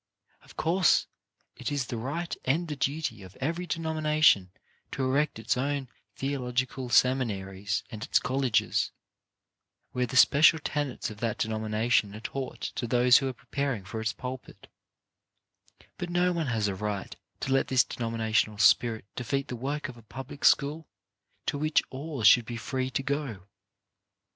Of course it is the right and the duty of every denomination to erect its own theological seminaries and its colleges, where the special tenets of that denomination are taught to those who are preparing for its pulpit ; but no one has a right to let this denominational spirit defeat the work of a public school to which all should be free to go.